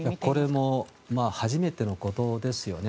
これも初めてのことですよね。